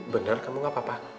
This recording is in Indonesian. benar kamu gak apa apa